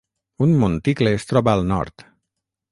Un monticle es troba al nord.